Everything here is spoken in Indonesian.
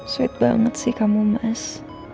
suit banget sih kamu mas